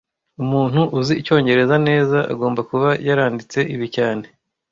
Umuntu uzi icyongereza neza agomba kuba yaranditse ibi cyane